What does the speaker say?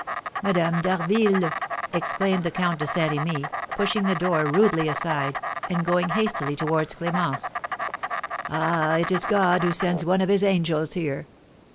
"Madame d'Harville!" exclaimed the Count de Saint Remy, pushing the doctor rudely aside, and going hastily towards Clémence. "Ah, it is God who sends one of his angels here!